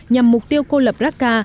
nhằm mục tiêu cô lập chiraka